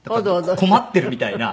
困ってるみたいな。